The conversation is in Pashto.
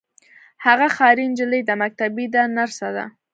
هغه ښاري نجلۍ ده مکتبۍ ده نرسه ده.